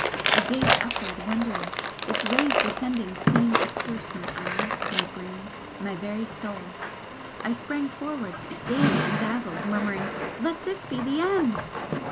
I gazed upward, wondering its rays descending seemed to pierce my eyes, my brain, my very soul! I sprang forward, dazed and dazzled, murmuring, "Let this be the end!"